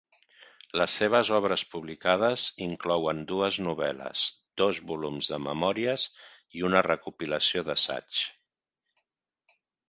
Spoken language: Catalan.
Les seves obres publicades inclouen dues novel·les, dos volums de memòries i una recopilació d'assaigs.